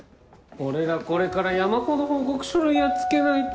俺らこれから山ほど報告書類やっつけないと。